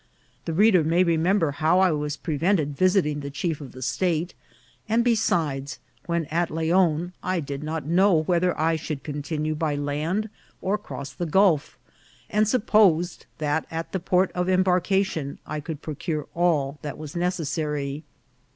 The reader may remember how I was pre vented visiting the chief of the state ; and, besides, when at Leon, I did not know whether I should continue by land or cross the gulf, and supposed that at the port of embarcation I could procure all that was necessary.